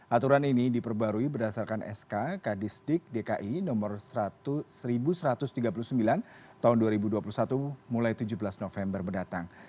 aturan ini diperbarui berdasarkan sk kadisdik dki nomor satu ratus tiga puluh sembilan tahun dua ribu dua puluh satu mulai tujuh belas november mendatang